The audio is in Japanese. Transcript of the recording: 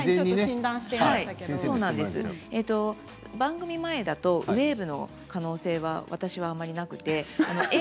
番組前だとウエーブの可能性は私はあまりなくて。